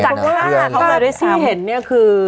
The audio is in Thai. จัดการเขาเลยด้วยซึ่งเห็นเนี่ยคือ